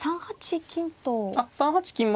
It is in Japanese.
３八金と。